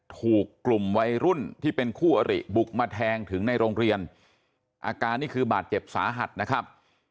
ถูกกลุ่มวัยรุ่นที่เป็นคู่อริบุกมาแทงถึงในโรงเรียนอาการนี่คือบาดเจ็บสาหัสนะครับ